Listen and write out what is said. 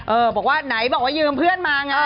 บอกว่าไหนบอกว่ายืมเพื่อนมาไง